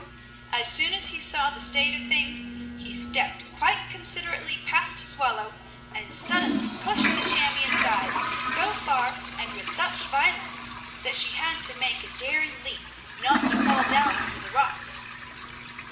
As soon as he saw the state of things, he stepped quite considerately past Swallow and suddenly pushed the chamois aside so far and with such violence, that she had to make a daring leap, not to fall down over the rocks.